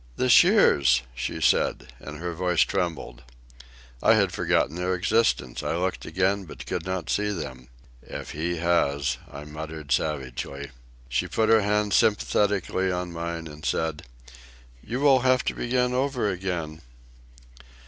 "The shears," she said, and her voice trembled. I had forgotten their existence. I looked again, but could not see them. "If he has—" I muttered savagely. She put her hand sympathetically on mine, and said, "You will have to begin over again."